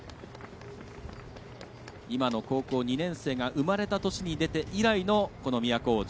今の高校２年生が生まれた年に出て以来のこの都大路。